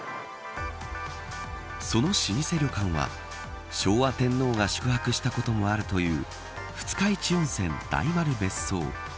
その老舗旅館は昭和天皇が宿泊したこともあるという二日市温泉、大丸別荘。